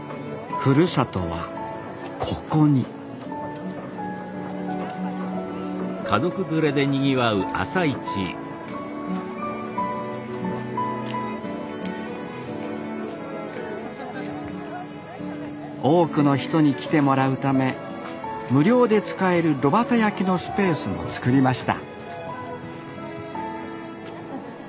ふるさとはここに多くの人に来てもらうため無料で使える炉端焼きのスペースも作りました